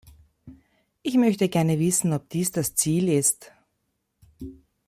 Ich möchte gerne wissen, ob dies das Ziel ist.